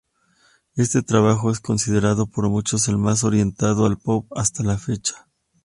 Este trabajo es considerado por muchos el más orientado al pop hasta la fecha.